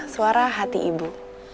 suara hati ibu